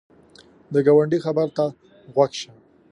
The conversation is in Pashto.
د ګاونډي خبر ته غوږ شه